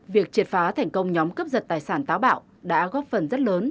việc triệt phá thành công nhóm cướp giật tài sản táo bạo đã góp phần rất lớn